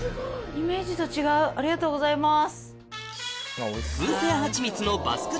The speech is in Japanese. イメージと違うありがとうございます。